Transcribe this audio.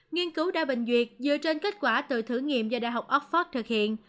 nghiên cứu đa bình duyệt dựa trên kết quả từ thử nghiệm do đại học oxford thực hiện